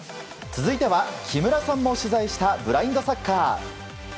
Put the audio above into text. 続いては木村さんも取材したブラインドサッカー。